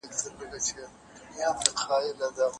کله غل کله مُلا سي کله شیخ کله بلا سي